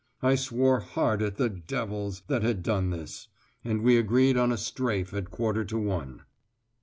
I swore hard at the devils that had done this; and we agreed on a "strafe" at a quarter to one.